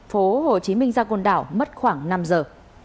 phố hồ chí minh ra côn đảo mất khoảng năm giờ